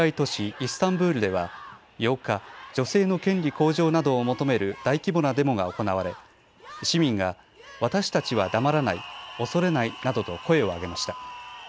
イスタンブールでは８日、女性の権利向上などを求める大規模なデモが行われ市民が私たちは黙らない、恐れないなどと声を上げました。